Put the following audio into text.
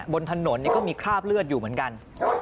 บนถนนก็มีคราบเลือดอยู่เหมือนกัน